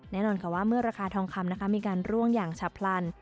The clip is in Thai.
แน่นอนค่ะว่าเมื่อราคาทองคำนะคะมีการร่วงอย่างฉับพลัน